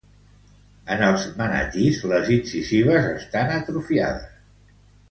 En els manatís, les incisives estan atrofiades.